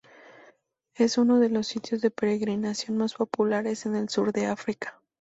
Es uno de los sitios de peregrinación más populares en el sur de África.